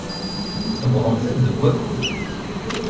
Tewwḍemt-d deg wakud.